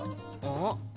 ん？